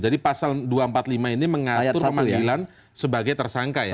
jadi pasal dua ratus empat puluh lima ini mengatur pemanggilan sebagai tersangka ya